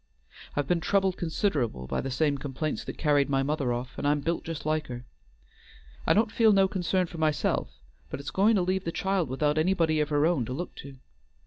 I've been troubled considerable by the same complaints that carried my mother off, and I'm built just like her. I don't feel no concern for myself, but it's goin' to leave the child without anybody of her own to look to.